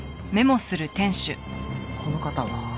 この方は？